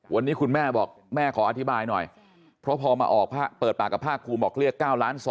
วันนี้คุณแม่บอกแม่ขออธิบายหน่อยเพราะพอมาออกเปิดปากกับภาคภูมิบอกเรียก๙ล้าน๒